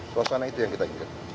suasana itu yang kita inginkan